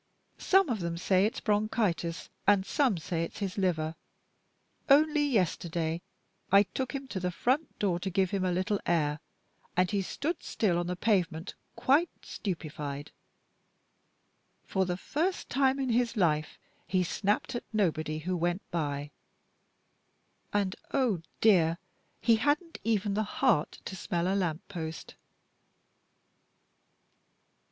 Some of them say it's bronchitis, and some say it's his liver. Only yesterday I took him to the front door to give him a little air, and he stood still on the pavement, quite stupefied. For the first time in his life, he snapped at nobody who went by; and, oh, dear, he hadn't even the heart to smell a lamp post!"